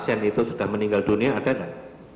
si pasien itu sudah meninggal dunia ada enggak